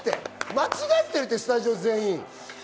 間違ってるよ、スタジオ全員！